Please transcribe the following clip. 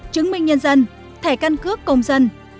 chứng minh nhân dân thẻ căn cước công dân